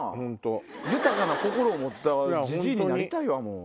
豊かな心を持ったじじいになりたいわ。